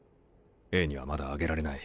Ａにはまだ上げられない。